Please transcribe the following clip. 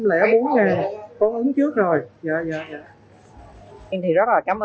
anh giao luôn nha